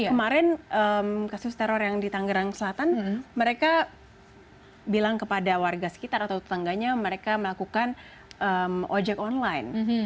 kemarin kasus teror yang di tanggerang selatan mereka bilang kepada warga sekitar atau tetangganya mereka melakukan ojek online